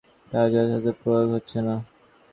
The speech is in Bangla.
নারী নির্যাতন রোধে আইন থাকলেও তার যথাযথ প্রয়োগ হচ্ছে না।